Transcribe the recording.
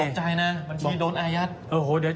ใจนะบัญชีโดนอายัด